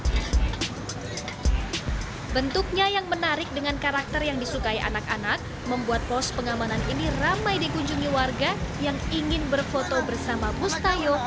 ini ramai dikunjungi warga yang ingin berfoto bersama bus tayo